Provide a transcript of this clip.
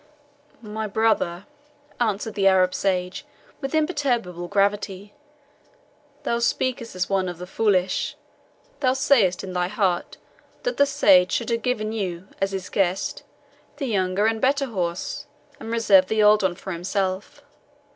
"My brother," answered the Arab sage, with imperturbable gravity, "thou speakest as one of the foolish. Thou sayest in thy heart that the sage should have given you, as his guest, the younger and better horse, and reserved the old one for himself.